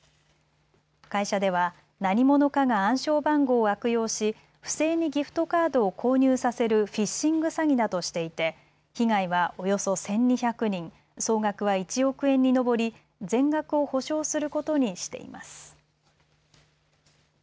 会社では何者かが暗証番号を悪用し不正にギフトカードを購入させるフィッシング詐欺だとしていて被害はおよそ１２００人、総額は１億円に上り全額を補償することにしています。